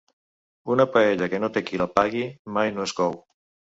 Una paella que no té qui la pagui mai no es cou.